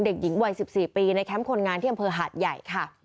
เด็กหญิงวัย๑๔ปีในแคมป์คนงานที่อำเภอหาดใหญ่ค่ะ